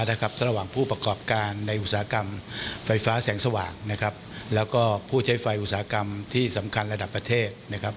ระหว่างผู้ประกอบการในอุตสาหกรรมไฟฟ้าแสงสว่างและผู้ใช้ไฟอุตสาหกรรมที่สำคัญระดับประเทศ